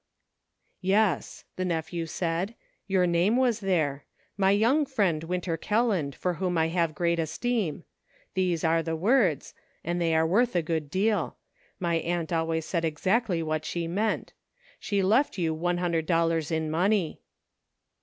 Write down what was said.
" Yes," the nephew said, "your name was there; 'my young friend. Winter Kelland, for whom I have great esteem ;' these are the words, and they are worth a good deal ; my aunt always said exactly what she meant. She left you one hundred dol lars in money."